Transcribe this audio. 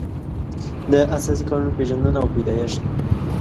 د اساسي قانون پېژندنه او پیدایښت